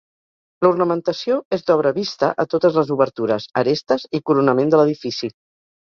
L'ornamentació és d'obra vista a totes les obertures, arestes i coronament de l'edifici.